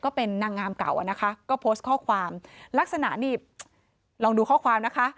ก็เป็นนางงามเก่าอ่ะนะคะก็โพสต์ข้อความลักษณะนี่ลองดูข้อความนะคะ